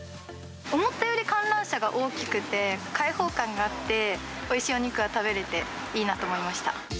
思ったより観覧車が大きくて、開放感があって、おいしいお肉が食べれていいなと思いました。